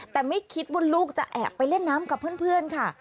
แต่ไม่คิดว่าลูกจะแอบไปเล่นน้ำกับเพื่อนค่ะ